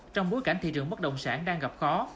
trong bối cảnh thị trường bất động sản đang gặp khó